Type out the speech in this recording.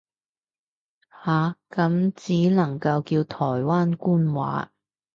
下，咁只能夠叫台灣官話